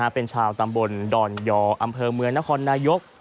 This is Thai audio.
เป็นชาวตำบลดอนยออำเภอเมืองนครนายก